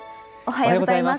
おはようございます。